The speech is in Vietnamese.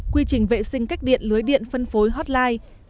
quy trình vệ sinh cách điện lưới điện phân phối hotline